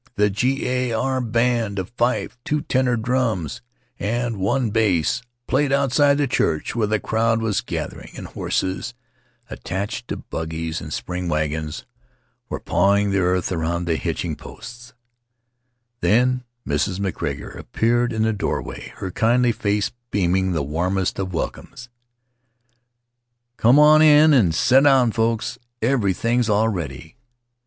The G. A. R. band — a fife, two tenor drums, and one bass — played outside the church where the crowd was gathering, and horses, attached to buggies and spring wagons, were pawing the earth around the hitching Faery Lands of the South Seas posts. Then Mrs. MacGregor appeared in the door way, her kindly face beaming the warmest of welcomes. "Come on in and set down, folks. Everything's all ready."